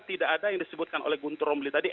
tidak ada yang disebutkan oleh guntur romli tadi